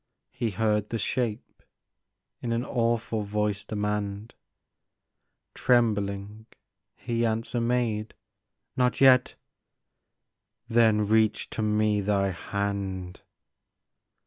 " he heard the shape In an awful voice demand ; Trembling he answer made, " Not yet !"" Then reach to me thy hand."